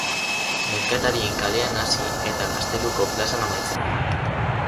Merkatarien kalean hasi eta Gazteluko plazan amaitzen da.